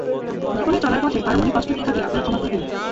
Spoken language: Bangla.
জীবনের চলার পথে কারও মনে কষ্ট দিয়ে থাকলে আপনারা ক্ষমা করে দেবেন।